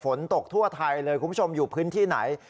ฝนตกทั่วไทยเลยคุณผู้ชมอยู่พื้นที่ไหน